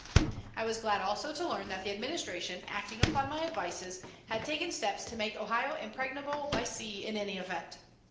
I was glad also to learn that the Administration, acting upon my advices, had taken steps to make Ohio impregnable by sea in any event.